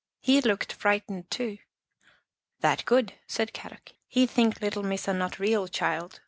" He looked frightened too." " That good," said Kadok. " He think little Missa not real child.